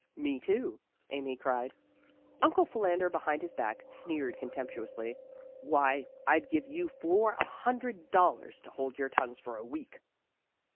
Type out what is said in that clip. "Me, too," Amy cried. Uncle Philander Behind His Back sneered contemptuously. "Why, I'd give you four a hundred dollars to hold your tongues for a week.